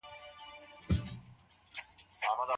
د نرمغالو دپاره تاسي باید نوی پاسورډ وټاکئ.